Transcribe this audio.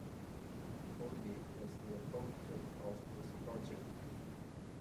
Holiday was the rapporteur of this project.